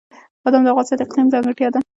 بادام د افغانستان د اقلیم ځانګړتیا ده.